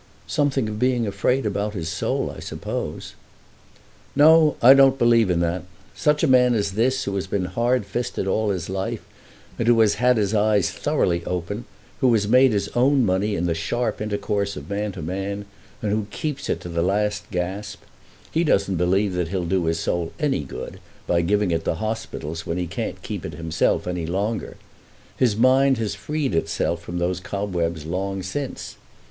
"Something of being afraid about his soul, I suppose." "No; I don't believe in that. Such a man as this, who has been hard fisted all his life, and who has had his eyes thoroughly open, who has made his own money in the sharp intercourse of man to man, and who keeps it to the last gasp, he doesn't believe that he'll do his soul any good by giving it to hospitals when he can't keep it himself any longer. His mind has freed itself from those cobwebs long since.